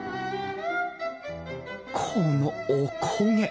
このおこげ！